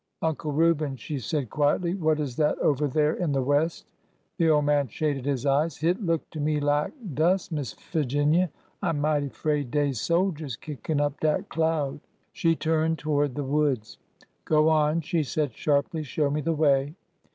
Uncle Reuben," she said quietly, what is that over there in the west ?" The old man shaded his eyes. '' Hit look to me lak dust, Miss Figinia. I 'm mighty 'fraid dey 's soldiers kickin' up dat cloud." She turned toward the woods. '' Go on !" she said sharply. '' Show me the way."